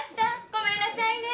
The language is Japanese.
ごめんなさいね。